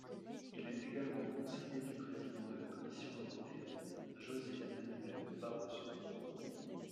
Il est également conseiller du président de la Commission européenne, José Manuel Barroso.